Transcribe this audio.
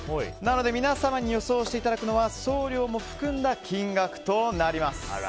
皆様に予想していただくのは送料も含んだ金額となります。